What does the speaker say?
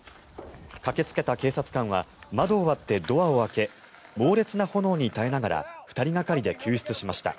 駆けつけた警察官は窓を割ってドアを開け猛烈な炎に耐えながら２人がかりで救出しました。